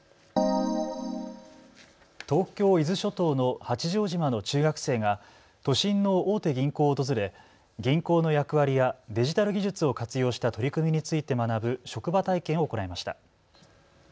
東京伊豆諸島の八丈島の中学生が都心の大手銀行を訪れ銀行の役割やデジタル技術を活用した取り組みについて学ぶ職場体験を行いました。